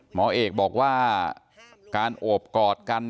หมอเอกบอกว่าการโอบกอดกัน